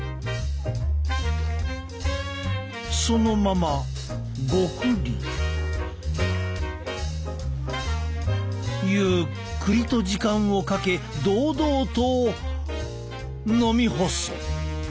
そのままゴクリ。ゆっくりと時間をかけ堂々と飲み干す。